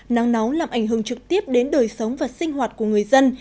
nắng nóng làm ảnh hưởng trực tiếp đến đời sống và sinh hoạt của người dân